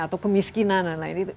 atau kemiskinan dan lain lain